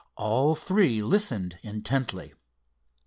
All three listened intently.